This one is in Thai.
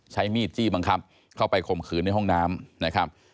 ใช้มีดจี้บังคับเข้าไปข่มขืนในห้องน้ำนะครับ